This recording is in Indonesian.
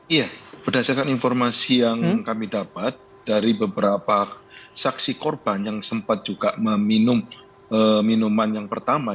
iya berdasarkan informasi yang kami dapat dari beberapa saksi korban yang sempat juga meminum minuman yang pertama